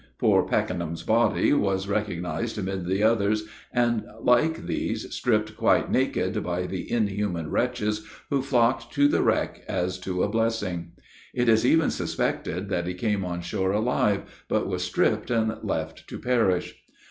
Poor Packenham's body was recognized amid the others, and like these, stripped quite naked by the inhuman wretches, who flocked to the wreck as to a blessing! It is even suspected that he came on shore alive, but was stripped and left to perish.